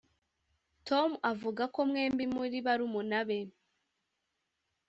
tom avuga ko mwembi muri barumuna be.